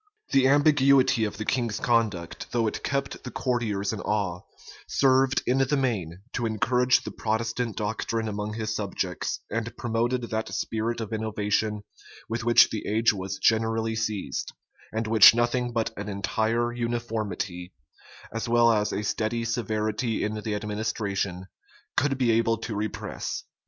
The ambiguity of the king's conduct, though it kept the courtiers in awe, served, in the main, to encourage the Protestant doctrine among his subjects, and promoted that spirit of innovation with which the age was generally seized, and which nothing but an entire uniformity, as will as a steady severity in the administration, could be able to repress.